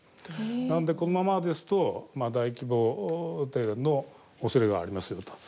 なのでこのままですと大規模停電のおそれがありますよと。